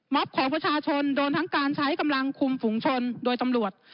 ของประชาชนโดนทั้งการใช้กำลังคุมฝุงชนโดยตำรวจ